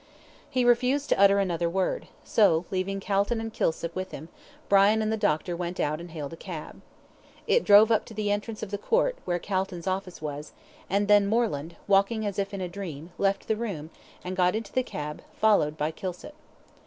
He refused to utter another word; so leaving Calton and Kilsip with him, Brian and the doctor went out and hailed a cab. It drove up to the entrance of the court, where Calton's office was, and then Moreland, walking as if in a dream, left the room, and got into the cab, followed by Kilsip.